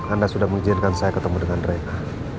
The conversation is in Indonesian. anda sudah mengizinkan saya ketemu dengan mereka